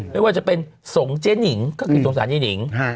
ไม่ว่าจะเป็นสงฆ์เจ๊หงิงคือทุกศาลเจ๊หงิง